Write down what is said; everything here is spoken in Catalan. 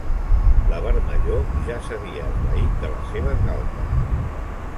La vermellor ja s'havia esvaït de les seves galtes.